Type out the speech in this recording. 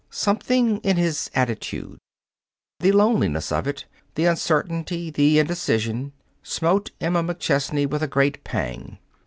Something in his attitude the loneliness of it, the uncertainty, the indecision smote Emma McChesney with a great pang.